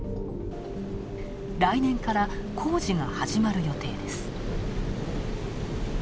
来年から、工事が始まる予定です。